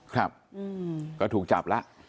ครับก็ถูกจับแล้ว